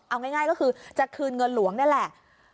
เอาง่ายก็คือจะคืนเงินหลวงนี่แหละ